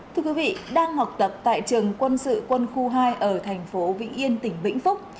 thưa quý vị đang học tập tại trường quân sự quân khu hai ở thành phố vĩnh yên tỉnh vĩnh phúc